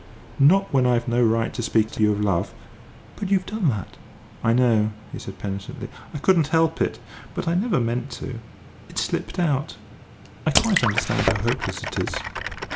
"Not when I've no right to speak to you of love?" "But you've done that!" "I know," he said penitently; "I couldn't help it. But I never meant to. It slipped out. I quite understand how hopeless it is."